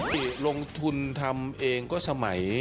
ติลงทุนทำเองก็สมัย